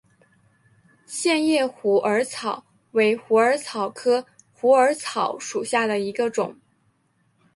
线叶虎耳草为虎耳草科虎耳草属下的一个种。